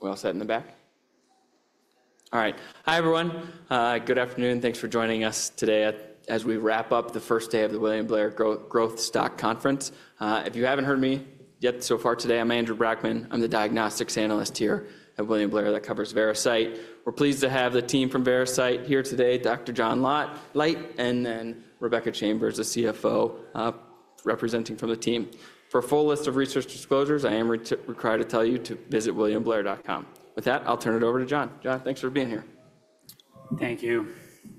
We're all set in the back? All right. Hi, everyone. Good afternoon. Thanks for joining us today as we wrap up the first day of the William Blair Growth Stock Conference. If you haven't heard me yet so far today, I'm Andrew Brackmann. I'm the Diagnostics Analyst here at William Blair that covers Veracyte. We're pleased to have the team from Veracyte here today, Dr. John Leite, and then Rebecca Chambers, the CFO, representing from the team. For a full list of research disclosures, I am required to tell you to visit williamblair.com. With that, I'll turn it over to John. John, thanks for being here. Thank you.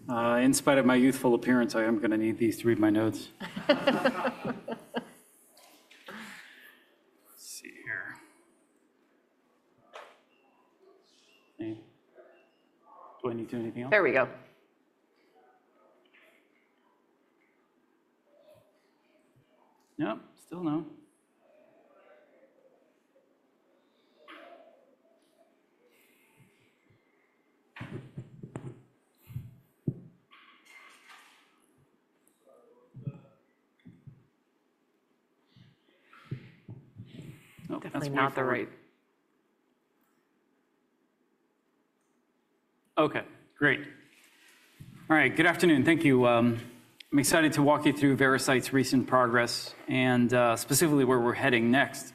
In spite of my youthful appearance, I am going to need these to read my notes. Let's see here. Do I need to do anything else? There we go. No, still no. Definitely not the right. OK, great. All right, good afternoon. Thank you. I'm excited to walk you through Veracyte's recent progress and specifically where we're heading next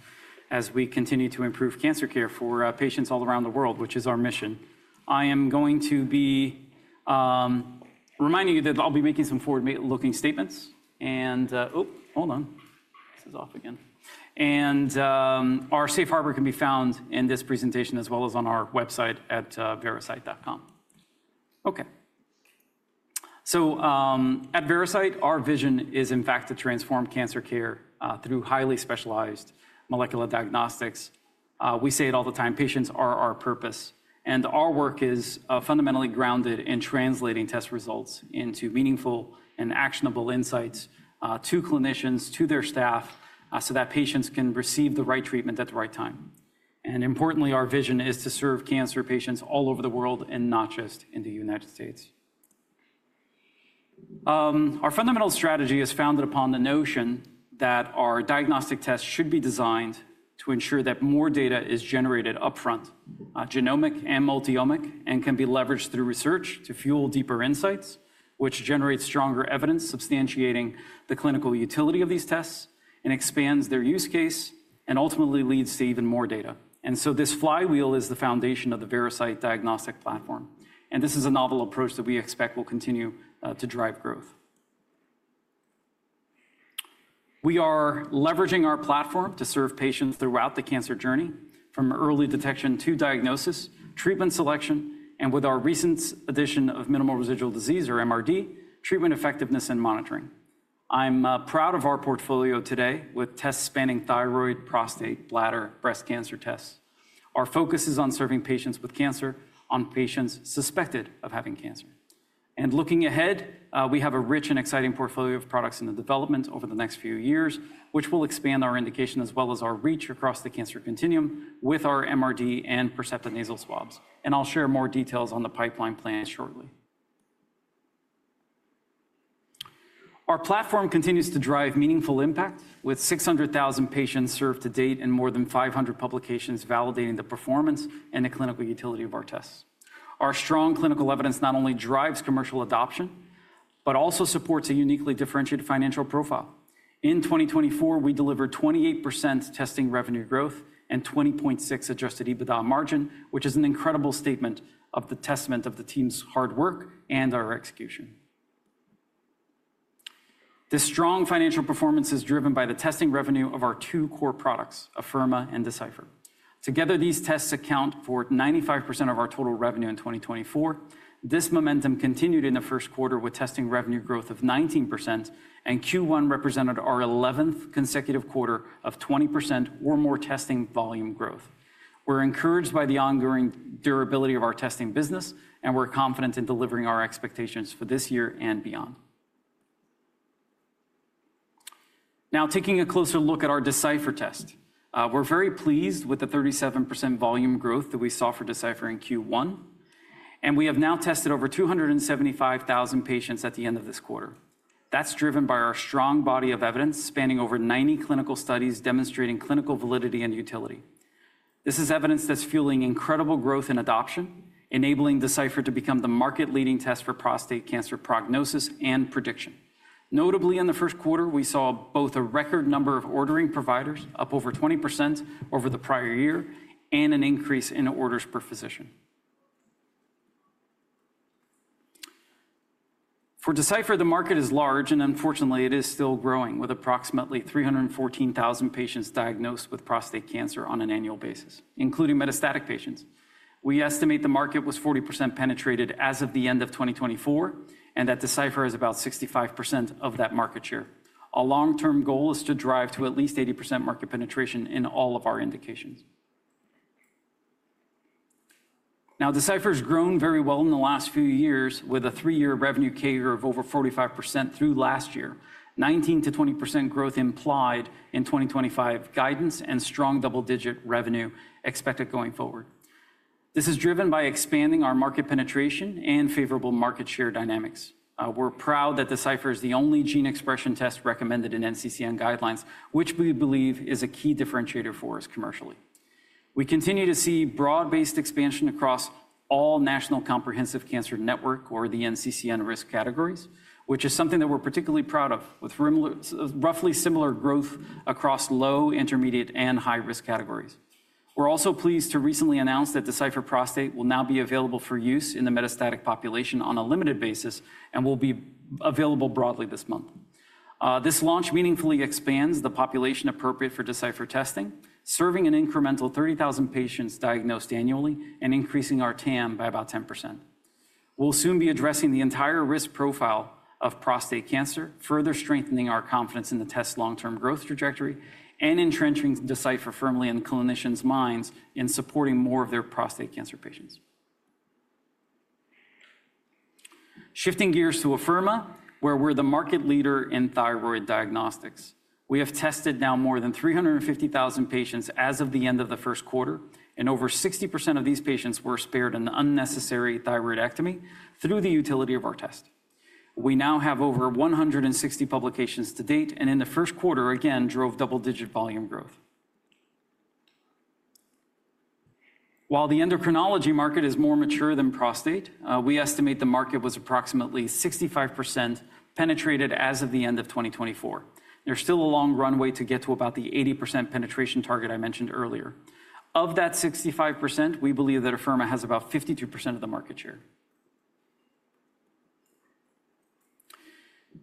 as we continue to improve cancer care for patients all around the world, which is our mission. I am going to be reminding you that I'll be making some forward-looking statements. Oh, hold on. This is off again. Our safe harbor can be found in this presentation as well as on our website at veracyte.com. OK. At Veracyte, our vision is, in fact, to transform cancer care through highly specialized molecular diagnostics. We say it all the time. Patients are our purpose. Our work is fundamentally grounded in translating test results into meaningful and actionable insights to clinicians, to their staff, so that patients can receive the right treatment at the right time. Importantly, our vision is to serve cancer patients all over the world and not just in the United States. Our fundamental strategy is founded upon the notion that our diagnostic tests should be designed to ensure that more data is generated upfront, genomic and multi-omic, and can be leveraged through research to fuel deeper insights, which generates stronger evidence substantiating the clinical utility of these tests and expands their use case and ultimately leads to even more data. This flywheel is the foundation of the Veracyte Diagnostic Platform. This is a novel approach that we expect will continue to drive growth. We are leveraging our platform to serve patients throughout the cancer journey, from early detection to diagnosis, treatment selection, and with our recent addition of minimal residual disease, or MRD, treatment effectiveness and monitoring. I'm proud of our portfolio today with tests spanning thyroid, prostate, bladder, and breast cancer tests. Our focus is on serving patients with cancer or patients suspected of having cancer. Looking ahead, we have a rich and exciting portfolio of products in development over the next few years, which will expand our indications as well as our reach across the cancer continuum with our MRD and Percepta Nasal Swabs. I'll share more details on the pipeline plan shortly. Our platform continues to drive meaningful impact with 600,000 patients served to date and more than 500 publications validating the performance and the clinical utility of our tests. Our strong clinical evidence not only drives commercial adoption, but also supports a uniquely differentiated financial profile. In 2024, we delivered 28% testing revenue growth and 20.6% adjusted EBITDA margin, which is an incredible statement of the testament of the team's hard work and our execution. This strong financial performance is driven by the testing revenue of our two core products, Afirma and Decipher. Together, these tests account for 95% of our total revenue in 2024. This momentum continued in the first quarter with testing revenue growth of 19%, and Q1 represented our 11th consecutive quarter of 20% or more testing volume growth. We're encouraged by the ongoing durability of our testing business, and we're confident in delivering our expectations for this year and beyond. Now, taking a closer look at our Decipher test, we're very pleased with the 37% volume growth that we saw for Decipher in Q1. And we have now tested over 275,000 patients at the end of this quarter. That's driven by our strong body of evidence spanning over 90 clinical studies demonstrating clinical validity and utility. This is evidence that's fueling incredible growth in adoption, enabling Decipher to become the market-leading test for prostate cancer prognosis and prediction. Notably, in the first quarter, we saw both a record number of ordering providers, up over 20% over the prior year, and an increase in orders per physician. For Decipher, the market is large, and unfortunately, it is still growing with approximately 314,000 patients diagnosed with prostate cancer on an annual basis, including metastatic patients. We estimate the market was 40% penetrated as of the end of 2024, and that Decipher is about 65% of that market share. A long-term goal is to drive to at least 80% market penetration in all of our indications. Now, Decipher has grown very well in the last few years with a three-year revenue CAGR of over 45% through last year. 19%-20% growth implied in 2025 guidance and strong double-digit revenue expected going forward. This is driven by expanding our market penetration and favorable market share dynamics. We're proud that Decipher is the only gene expression test recommended in NCCN guidelines, which we believe is a key differentiator for us commercially. We continue to see broad-based expansion across all National Comprehensive Cancer Network, or the NCCN, risk categories, which is something that we're particularly proud of, with roughly similar growth across low, intermediate, and high-risk categories. We're also pleased to recently announce that Decipher Prostate will now be available for use in the metastatic population on a limited basis and will be available broadly this month. This launch meaningfully expands the population appropriate for Decipher testing, serving an incremental 30,000 patients diagnosed annually and increasing our TAM by about 10%. We'll soon be addressing the entire risk profile of prostate cancer, further strengthening our confidence in the test's long-term growth trajectory and entrenching Decipher firmly in clinicians' minds in supporting more of their prostate cancer patients. Shifting gears to Afirma, where we're the market leader in thyroid diagnostics. We have tested now more than 350,000 patients as of the end of the first quarter, and over 60% of these patients were spared an unnecessary thyroidectomy through the utility of our test. We now have over 160 publications to date, and in the first quarter, again, drove double-digit volume growth. While the endocrinology market is more mature than prostate, we estimate the market was approximately 65% penetrated as of the end of 2024. There's still a long runway to get to about the 80% penetration target I mentioned earlier. Of that 65%, we believe that Afirma has about 52% of the market share.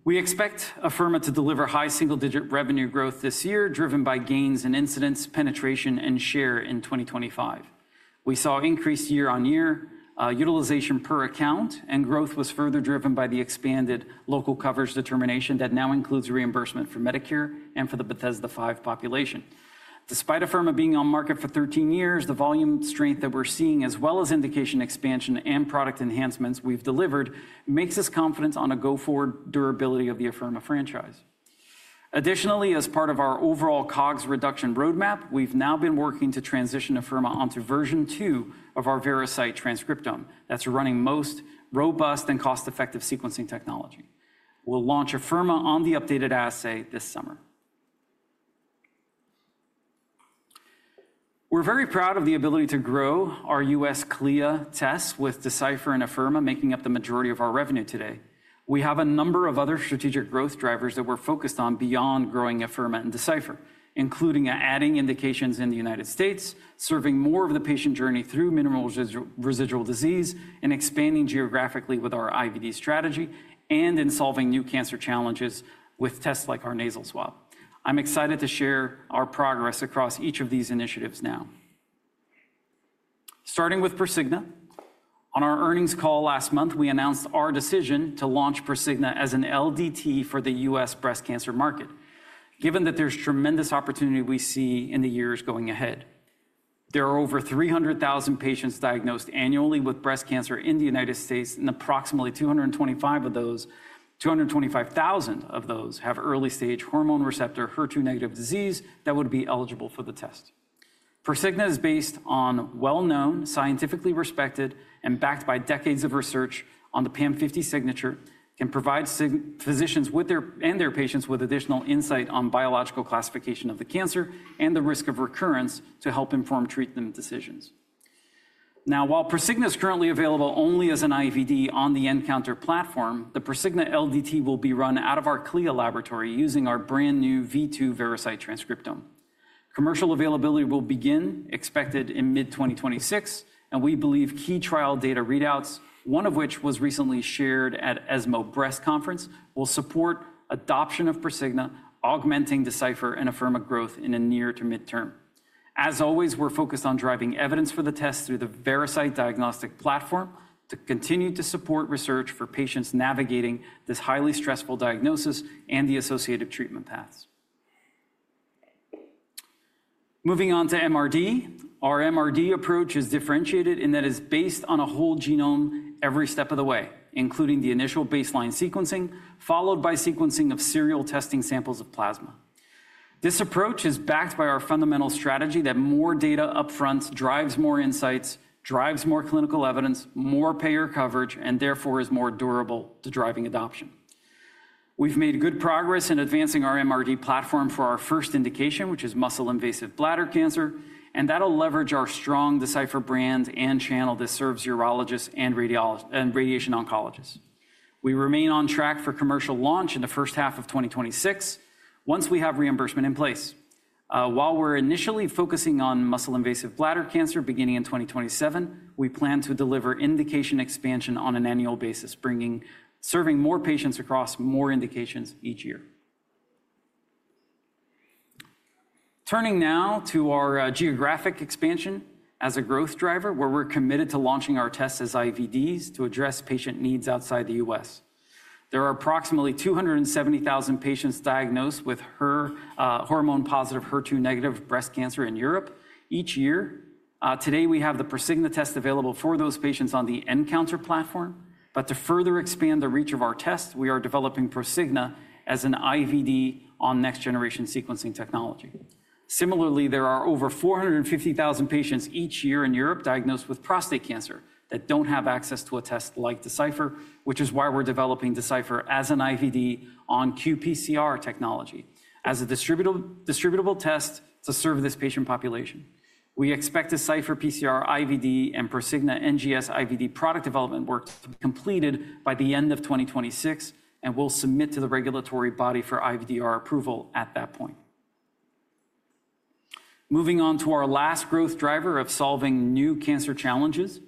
We expect Afirma to deliver high single-digit revenue growth this year, driven by gains in incidence, penetration, and share in 2025. We saw increased year-on-year utilization per account, and growth was further driven by the expanded local coverage determination that now includes reimbursement for Medicare and for the Bethesda V population. Despite Afirma being on the market for 13 years, the volume strength that we're seeing, as well as indication expansion and product enhancements we've delivered, makes us confident on a go-forward durability of the Afirma franchise. Additionally, as part of our overall COGS reduction roadmap, we've now been working to transition Afirma onto version 2 of our Veracyte Transcriptome that's running most robust and cost-effective sequencing technology. We'll launch Afirma on the updated assay this summer. We're very proud of the ability to grow our U.S. CLIA tests with Decipher and Afirma, making up the majority of our revenue today. We have a number of other strategic growth drivers that we're focused on beyond growing Afirma and Decipher, including adding indications in the United States, serving more of the patient journey through minimal residual disease, and expanding geographically with our IVD strategy, and in solving new cancer challenges with tests like our nasal swab. I'm excited to share our progress across each of these initiatives now. Starting with Prosigna, on our earnings call last month, we announced our decision to launch Prosigna as an LDT for the U.S. breast cancer market, given that there's tremendous opportunity we see in the years going ahead. There are over 300,000 patients diagnosed annually with breast cancer in the United States, and approximately 225,000 of those have early-stage hormone receptor HER2-negative disease that would be eligible for the test. Prosigna is based on well-known, scientifically respected, and backed by decades of research on the PAM50 signature, can provide physicians and their patients with additional insight on biological classification of the cancer and the risk of recurrence to help inform treatment decisions. Now, while Prosigna is currently available only as an IVD on the nCounter platform, the Prosigna LDT will be run out of our CLIA laboratory using our brand new v2 Veracyte Transcriptome. Commercial availability will begin expected in mid-2026, and we believe key trial data readouts, one of which was recently shared at ESMO Breast Conference, will support adoption of Prosigna, augmenting Decipher and Afirma growth in the near to midterm. As always, we're focused on driving evidence for the test through the Veracyte Diagnostic Platform to continue to support research for patients navigating this highly stressful diagnosis and the associated treatment paths. Moving on to MRD, our MRD approach is differentiated in that it is based on a whole genome every step of the way, including the initial baseline sequencing, followed by sequencing of serial testing samples of plasma. This approach is backed by our fundamental strategy that more data upfront drives more insights, drives more clinical evidence, more payer coverage, and therefore is more durable to driving adoption. We've made good progress in advancing our MRD platform for our first indication, which is muscle-invasive bladder cancer, and that'll leverage our strong Decipher brand and channel that serves urologists and radiation oncologists. We remain on track for commercial launch in the first half of 2026 once we have reimbursement in place. While we're initially focusing on muscle-invasive bladder cancer beginning in 2027, we plan to deliver indication expansion on an annual basis, serving more patients across more indications each year. Turning now to our geographic expansion as a growth driver, where we're committed to launching our tests as IVDs to address patient needs outside the U.S. There are approximately 270,000 patients diagnosed with hormone-positive HER2-negative breast cancer in Europe each year. Today, we have the Prosigna test available for those patients on the nCounter platform. To further expand the reach of our tests, we are developing Prosigna as an IVD on next-generation sequencing technology. Similarly, there are over 450,000 patients each year in Europe diagnosed with prostate cancer that do not have access to a test like Decipher, which is why we are developing Decipher as an IVD on qPCR technology as a distributable test to serve this patient population. We expect Decipher PCR IVD and Prosigna NGS IVD product development work to be completed by the end of 2026 and will submit to the regulatory body for IVDR approval at that point. Moving on to our last growth driver of solving new cancer challenges.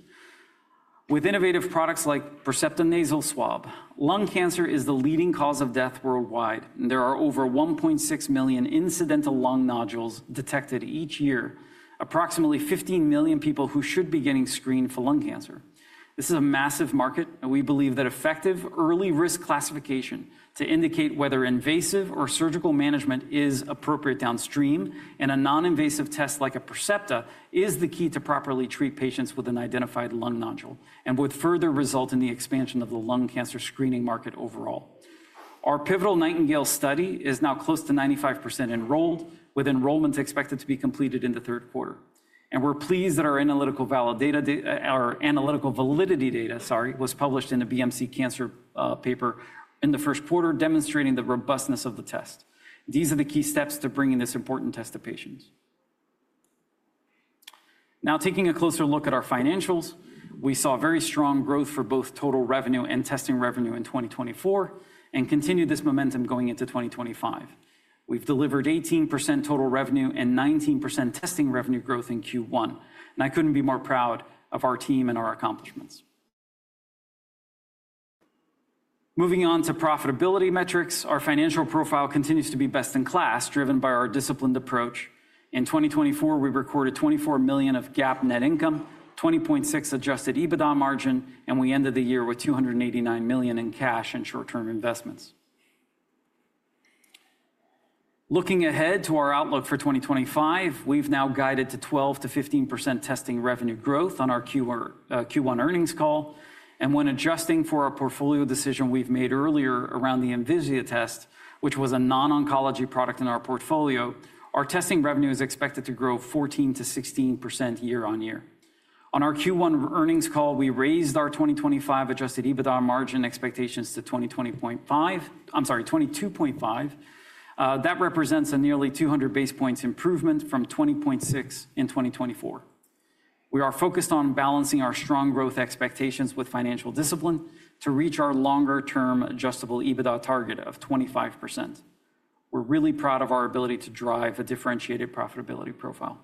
With innovative products like Percepta Nasal Swab, lung cancer is the leading cause of death worldwide, and there are over 1.6 million incidental lung nodules detected each year, approximately 15 million people who should be getting screened for lung cancer. This is a massive market, and we believe that effective early-risk classification to indicate whether invasive or surgical management is appropriate downstream and a non-invasive test like a Percepta is the key to properly treat patients with an identified lung nodule and would further result in the expansion of the lung cancer screening market overall. Our pivotal Nightingale study is now close to 95% enrolled, with enrollments expected to be completed in the third quarter. We are pleased that our analytical validity data was published in a BMC Cancer paper in the first quarter, demonstrating the robustness of the test. These are the key steps to bringing this important test to patients. Now, taking a closer look at our financials, we saw very strong growth for both total revenue and testing revenue in 2024 and continue this momentum going into 2025. We've delivered 18% total revenue and 19% testing revenue growth in Q1, and I couldn't be more proud of our team and our accomplishments. Moving on to profitability metrics, our financial profile continues to be best in class, driven by our disciplined approach. In 2024, we recorded $24 million of GAAP net income, 20.6% adjusted EBITDA margin, and we ended the year with $289 million in cash and short-term investments. Looking ahead to our outlook for 2025, we've now guided to 12%-15% testing revenue growth on our Q1 earnings call. When adjusting for our portfolio decision we've made earlier around the Invisia test, which was a non-oncology product in our portfolio, our testing revenue is expected to grow 14%-16% year on year. On our Q1 earnings call, we raised our 2025 adjusted EBITDA margin expectations to 22.5%. That represents a nearly 200 basis points improvement from 20.6% in 2024. We are focused on balancing our strong growth expectations with financial discipline to reach our longer-term adjusted EBITDA target of 25%. We're really proud of our ability to drive a differentiated profitability profile.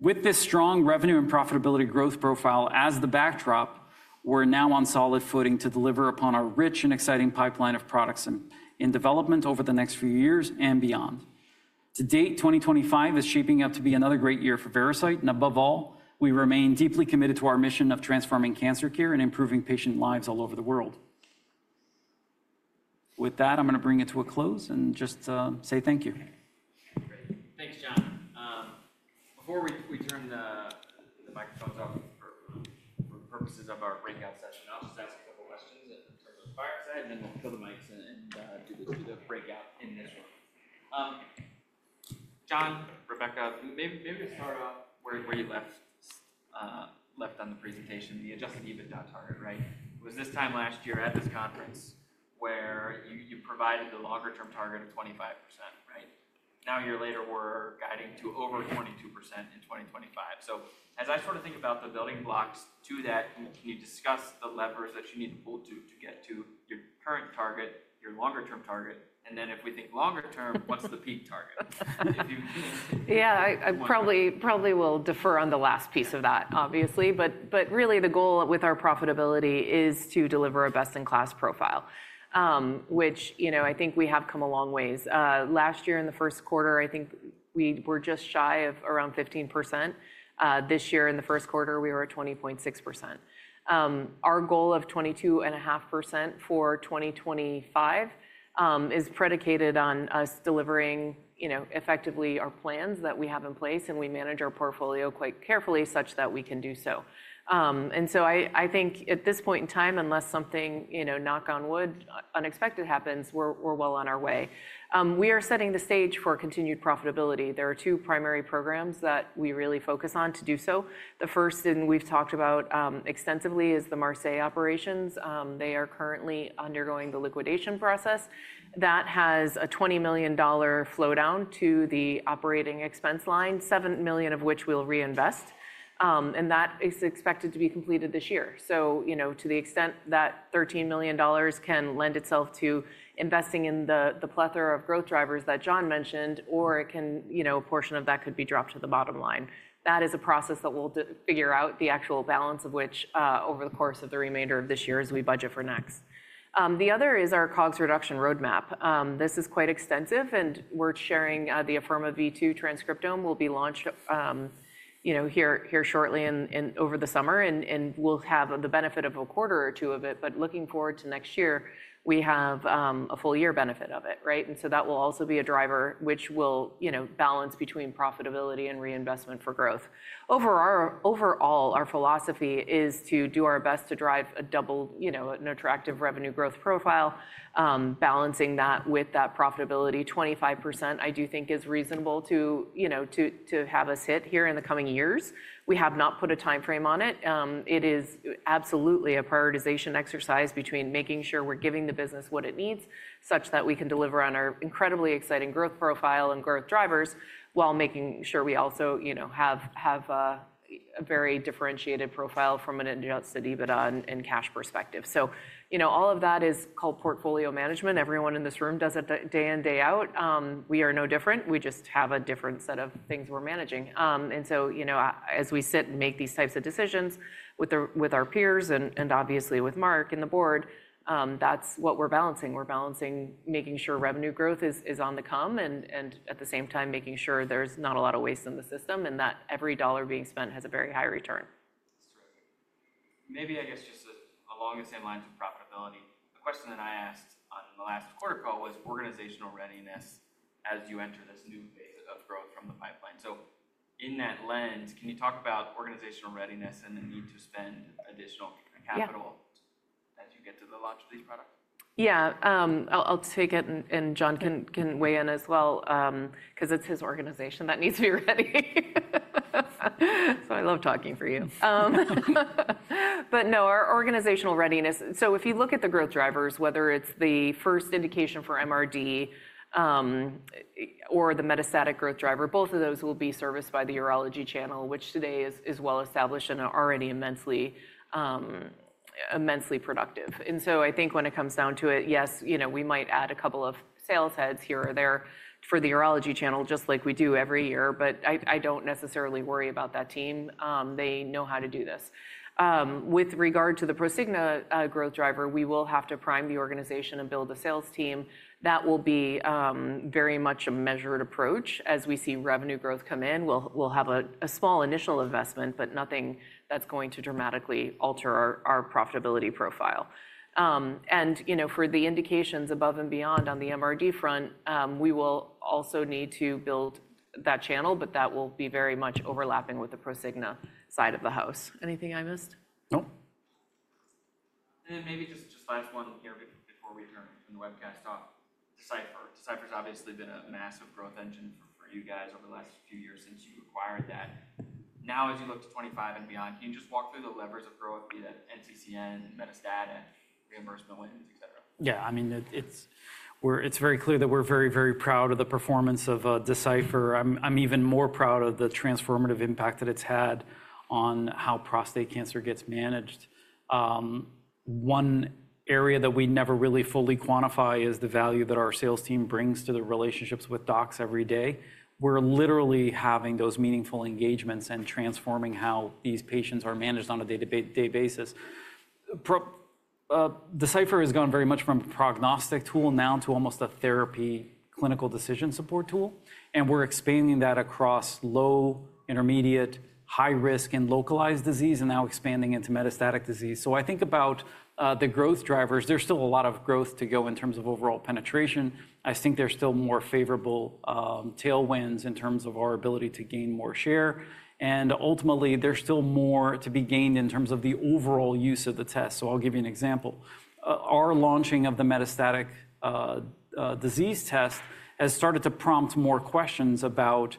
With this strong revenue and profitability growth profile as the backdrop, we're now on solid footing to deliver upon our rich and exciting pipeline of products in development over the next few years and beyond. To date, 2025 is shaping up to be another great year for Veracyte, and above all, we remain deeply committed to our mission of transforming cancer care and improving patient lives all over the world. With that, I'm going to bring it to a close and just say thank you. Thanks, John. Before we turn the microphones off for the purposes of our breakout session, I'll just ask a couple of questions in terms of the fireside, and then we'll kill the mics and do the breakout in this room. John, Rebecca, maybe to start off where you left on the presentation, the adjusted EBITDA target, right? It was this time last year at this conference where you provided the longer-term target of 25%, right? Now, a year later, we're guiding to over 22% in 2025. As I sort of think about the building blocks to that, can you discuss the levers that you need to pull to get to your current target, your longer-term target? If we think longer-term, what's the peak target? Yeah, I probably will defer on the last piece of that, obviously. Really, the goal with our profitability is to deliver a best-in-class profile, which I think we have come a long ways. Last year, in the first quarter, I think we were just shy of around 15%. This year, in the first quarter, we were at 20.6%. Our goal of 22.5% for 2025 is predicated on us delivering effectively our plans that we have in place, and we manage our portfolio quite carefully such that we can do so. I think at this point in time, unless something, knock on wood, unexpected happens, we're well on our way. We are setting the stage for continued profitability. There are two primary programs that we really focus on to do so. The first, and we've talked about extensively, is the Marseille operations. They are currently undergoing the liquidation process. That has a $20 million flowdown to the operating expense line, $7 million of which we'll reinvest, and that is expected to be completed this year. To the extent that $13 million can lend itself to investing in the plethora of growth drivers that John mentioned, or a portion of that could be dropped to the bottom line. That is a process that we'll figure out the actual balance of which over the course of the remainder of this year as we budget for next. The other is our COGS reduction roadmap. This is quite extensive, and we're sharing the Afirma v2 Transcriptome. We'll be launched here shortly over the summer, and we'll have the benefit of a quarter or two of it. Looking forward to next year, we have a full year benefit of it, right? That will also be a driver which will balance between profitability and reinvestment for growth. Overall, our philosophy is to do our best to drive an attractive revenue growth profile, balancing that with that profitability. 25%, I do think, is reasonable to have us hit here in the coming years. We have not put a timeframe on it. It is absolutely a prioritization exercise between making sure we are giving the business what it needs such that we can deliver on our incredibly exciting growth profile and growth drivers while making sure we also have a very differentiated profile from an adjusted EBITDA and cash perspective. All of that is called portfolio management. Everyone in this room does it day in, day out. We are no different. We just have a different set of things we are managing. As we sit and make these types of decisions with our peers and obviously with Marc and the board, that's what we're balancing. We're balancing making sure revenue growth is on the come and at the same time making sure there's not a lot of waste in the system and that every dollar being spent has a very high return. That's terrific. Maybe, I guess, just along the same lines of profitability, the question that I asked on the last quarter call was organizational readiness as you enter this new phase of growth from the pipeline. In that lens, can you talk about organizational readiness and the need to spend additional capital as you get to the launch of these products? Yeah, I'll take it, and John can weigh in as well because it's his organization that needs to be ready. I love talking for you. No, our organizational readiness. If you look at the growth drivers, whether it's the first indication for MRD or the metastatic growth driver, both of those will be serviced by the urology channel, which today is well established and already immensely productive. I think when it comes down to it, yes, we might add a couple of sales heads here or there for the urology channel, just like we do every year, but I don't necessarily worry about that team. They know how to do this. With regard to the Prosigna growth driver, we will have to prime the organization and build a sales team. That will be very much a measured approach. As we see revenue growth come in, we'll have a small initial investment, but nothing that's going to dramatically alter our profitability profile. For the indications above and beyond on the MRD front, we will also need to build that channel, but that will be very much overlapping with the Prosigna side of the house. Anything I missed? Nope. Maybe just last one here before we turn the webcast off. Decipher has obviously been a massive growth engine for you guys over the last few years since you acquired that. Now, as you look to 2025 and beyond, can you just walk through the levers of growth via NCCN, Metastat, and reimbursement wins, etc.? Yeah, I mean, it's very clear that we're very, very proud of the performance of Decipher. I'm even more proud of the transformative impact that it's had on how prostate cancer gets managed. One area that we never really fully quantify is the value that our sales team brings to the relationships with docs every day. We're literally having those meaningful engagements and transforming how these patients are managed on a day-to-day basis. Decipher has gone very much from a prognostic tool now to almost a therapy clinical decision support tool, and we're expanding that across low, intermediate, high-risk, and localized disease, and now expanding into metastatic disease. I think about the growth drivers. There's still a lot of growth to go in terms of overall penetration. I think there's still more favorable tailwinds in terms of our ability to gain more share. Ultimately, there's still more to be gained in terms of the overall use of the test. I'll give you an example. Our launching of the metastatic disease test has started to prompt more questions about,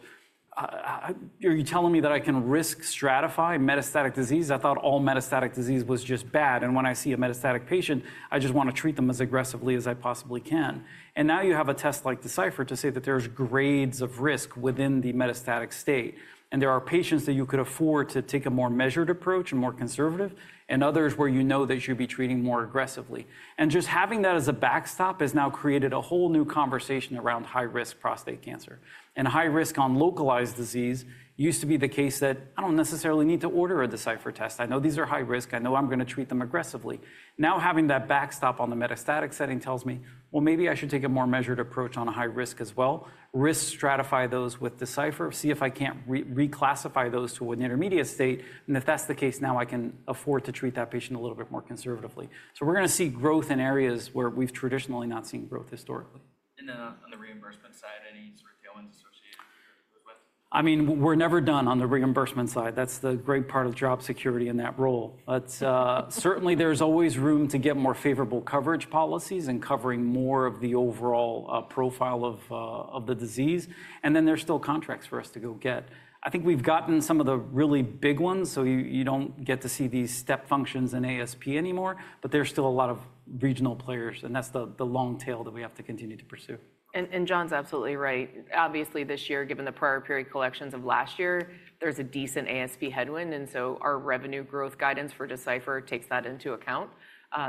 "Are you telling me that I can risk stratify metastatic disease? I thought all metastatic disease was just bad. When I see a metastatic patient, I just want to treat them as aggressively as I possibly can. Now you have a test like Decipher to say that there are grades of risk within the metastatic state. There are patients that you could afford to take a more measured approach and more conservative, and others where you know that you should be treating more aggressively. Just having that as a backstop has now created a whole new conversation around high-risk prostate cancer. High-risk on localized disease used to be the case that I do not necessarily need to order a Decipher test. I know these are high-risk. I know I am going to treat them aggressively. Now having that backstop on the metastatic setting tells me, maybe I should take a more measured approach on high-risk as well. Risk stratify those with Decipher. See if I can't reclassify those to an intermediate state. If that's the case, now I can afford to treat that patient a little bit more conservatively. We're going to see growth in areas where we've traditionally not seen growth historically. On the reimbursement side, any sort of tailwinds associated with it? I mean, we're never done on the reimbursement side. That's the great part of job security in that role. Certainly, there's always room to get more favorable coverage policies and covering more of the overall profile of the disease. There are still contracts for us to go get. I think we've gotten some of the really big ones, so you don't get to see these step functions in ASP anymore, but there's still a lot of regional players, and that's the long tail that we have to continue to pursue. John's absolutely right. Obviously, this year, given the prior period collections of last year, there's a decent ASP headwind, and our revenue growth guidance for Decipher takes that into account.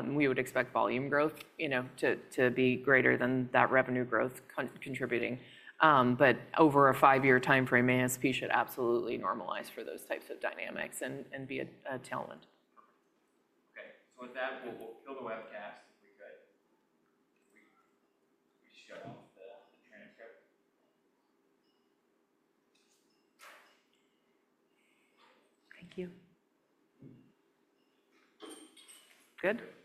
We would expect volume growth to be greater than that revenue growth contributing. Over a five-year timeframe, ASP should absolutely normalize for those types of dynamics and be a tailwind. Okay. With that, we'll kill the webcast. We shut off the transcript. Thank you. Good. All right.